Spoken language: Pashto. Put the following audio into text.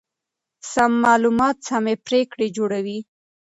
سم معلومات سمې پرېکړې جوړوي.